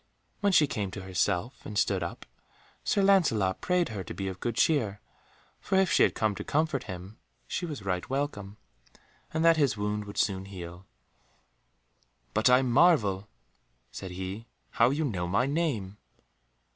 When she came to herself and stood up, Sir Lancelot prayed her to be of good cheer, for if she had come to comfort him she was right welcome, and that his wound would soon heal. "But I marvel," said he, "how you know my name."